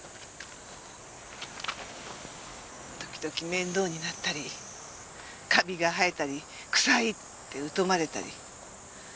時々面倒になったりカビが生えたりくさい！って疎まれたり。